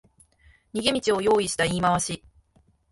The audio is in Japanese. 逃げ道を用意した言い回し